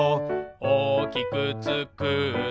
「おおきくつくって」